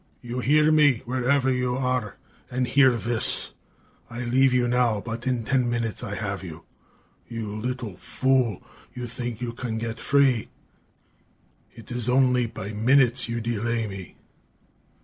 "You hear me, wherever you are! And hear this: I leave you now, but in ten minutes I have you! You little fool you think you can get free? It is only by minutes you delay me!"